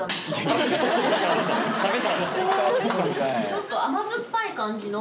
ちょっと甘酸っぱい感じの。